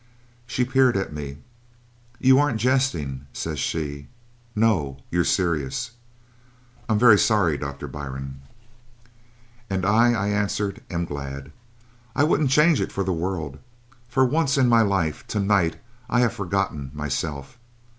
"She peered at me. 'You aren't jesting?' says she. 'No, you're serious. I'm very sorry, Doctor Byrne.' "'And I,' I answered, 'am glad. I wouldn't change it for the world. For once in my life to night I've forgotten myself.